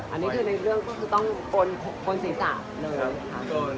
อันนี้คือในเรื่องก็คือต้องกนศีรษะเลยค่ะ